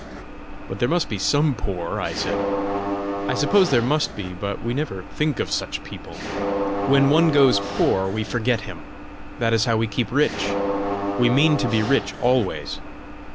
"But there must be some poor!" I said. "I suppose there must be, but we never think of such people. When one goes poor, we forget him. That is how we keep rich. We mean to be rich always."